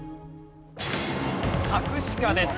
作詞家です。